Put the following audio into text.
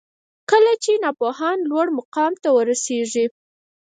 کله چي ناپوهان لوړ مقام ته ورسیږي